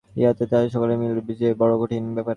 ইহাদের ভিতর সকলের মিল হওয়া যে বড় কঠিন ব্যাপার।